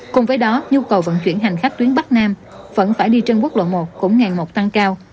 cùng với đó nhu cầu vận chuyển hành khách tuyến bắc nam vẫn phải đi trên quốc lộ một cũng ngày một tăng cao